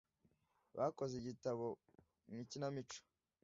Bakoze igitabo mu ikinamico.